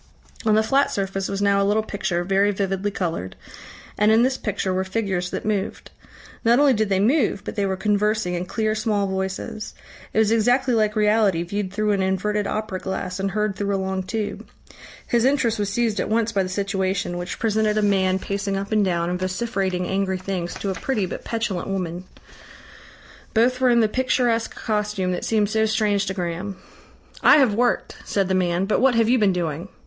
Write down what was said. On the flat surface was now a little picture, very vividly coloured, and in this picture were figures that moved. Not only did they move, but they were conversing in clear small voices. It was exactly like reality viewed through an inverted opera glass and heard through a long tube. His interest was seized at once by the situation, which presented a man pacing up and down and vociferating angry things to a pretty but petulant woman. Both were in the picturesque costume that seemed so strange to Graham. "I have worked," said the man, "but what have you been doing?"